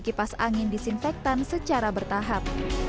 dan memfasilitasi kipas angin disinfektan secara bertahap